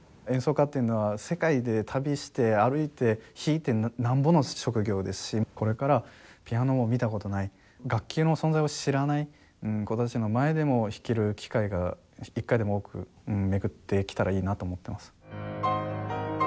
演奏家っていうのは世界で旅して歩いて弾いてなんぼの職業ですしこれからピアノを見た事ない楽器の存在を知らない子たちの前でも弾ける機会が一回でも多く巡ってきたらいいなと思ってます。